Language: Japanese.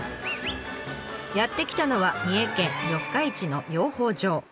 やって来たのは三重県四日市の養蜂場。